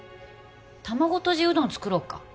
卵とじうどん作ろうか？